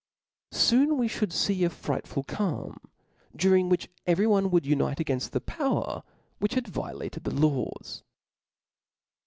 Soon we (hould fee a frightful calm, during which every one would unite againft that power which had violated the laws.